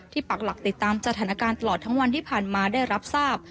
ปักหลักติดตามสถานการณ์ตลอดทั้งวันที่ผ่านมาได้รับทราบ